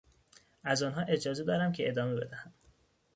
از آنها اجازه دارم که ادامه بدهم.